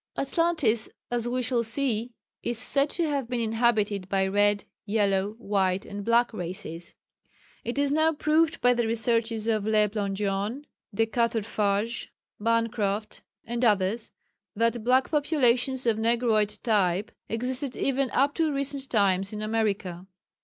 _ Atlantis as we shall see is said to have been inhabited by red, yellow, white and black races. It is now proved by the researches of Le Plongeon, De Quatrefages, Bancroft and others that black populations of negroid type existed even up to recent times in America.